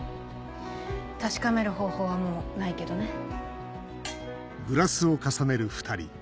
確かめる方法はもうないけどね。ねぇ。